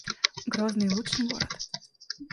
Грозный — лучший город